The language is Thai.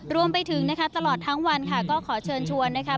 รวมไปถึงนะคะตลอดทั้งวันค่ะก็ขอเชิญชวนนะคะ